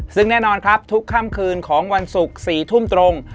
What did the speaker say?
ซึ่งแน่นอนครับทุกค่ำคืนของวันศุกร์๔ทุ่มตรง